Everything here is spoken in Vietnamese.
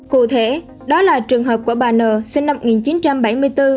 cụ thể đó là trường hợp của bà n sinh năm một nghìn chín trăm bảy mươi bốn